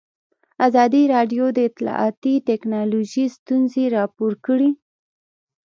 ازادي راډیو د اطلاعاتی تکنالوژي ستونزې راپور کړي.